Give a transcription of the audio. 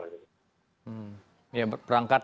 ya berangkat dari kepedulian yang tersebut